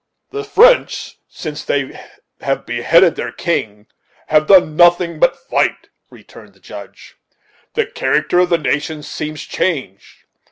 "The French, since they have beheaded their king, have done nothing but fight," returned the Judge. "The character of the nation seems changed.